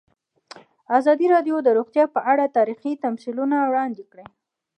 ازادي راډیو د روغتیا په اړه تاریخي تمثیلونه وړاندې کړي.